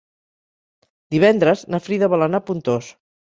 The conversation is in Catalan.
Divendres na Frida vol anar a Pontós.